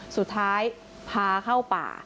สุดท้ายพาเข้าป่า